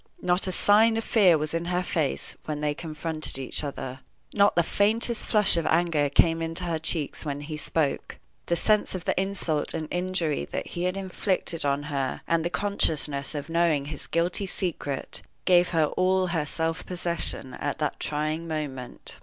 Not a sign of fear was in her face when they confronted each other. Not the faintest flush of anger came into her cheeks when he spoke. The sense of the insult and injury that he had inflicted on her, and the consciousness of knowing his guilty secret, gave her all her self possession at that trying moment.